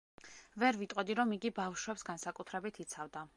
ვერ ვიტყოდი, რომ იგი ბავშვებს განსაკუთრებით იცავდა.